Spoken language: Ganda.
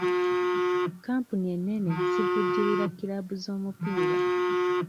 Kampuni ennene zivujjirira kiraabu z'omupiira.